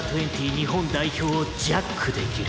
日本代表をジャックできる」